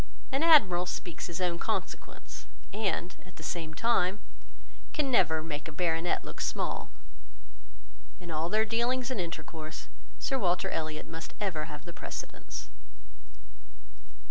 An admiral speaks his own consequence, and, at the same time, can never make a baronet look small. In all their dealings and intercourse, Sir Walter Elliot must ever have the precedence.